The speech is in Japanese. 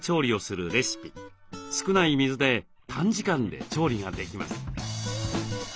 少ない水で短時間で調理ができます。